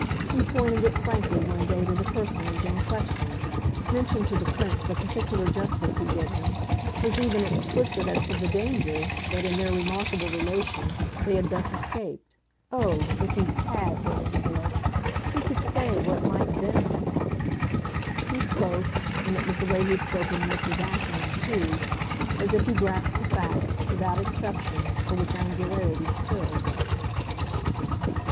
He pointed it frankly one day to the personage in question, mentioned to the Prince the particular justice he did him, was even explicit as to the danger that, in their remarkable relation, they had thus escaped. Oh, if he HAD been angular! who could say what might THEN have happened? He spoke and it was the way he had spoken to Mrs. Assingham too as if he grasped the facts, without exception, for which angularity stood.